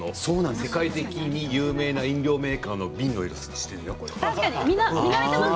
世界的に有名な飲料メーカーの瓶の色をしているよ。